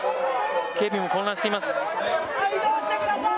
警備も混乱しています。